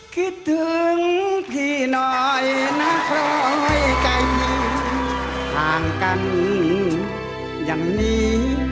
คิดถึงพี่หน่อยนักร้อยใกล้มีห่างกันยังมี